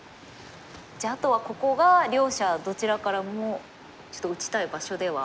じゃああとはここが両者どちらからもちょっと打ちたい場所では。